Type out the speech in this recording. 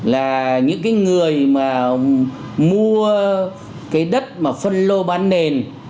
là những cái người mà mua cái đất mà phân lô bán nền